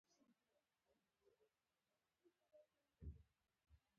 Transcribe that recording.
ډيپلومات باید پوهه ولري.